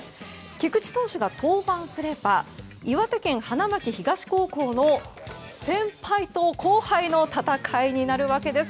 菊池投手が登板すれば岩手県花巻東高校の先輩と後輩の戦いになるわけです。